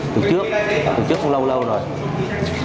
từ trước từ trước cũng lâu lâu rồi